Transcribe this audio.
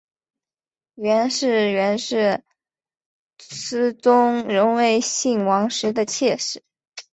袁氏原是思宗仍为信王时的妾室。